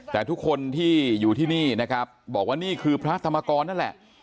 แต่ทุกคนที่อยู่ที่นี่นะครับบอกว่านี่คือพระธรรมกรนั่นแหละ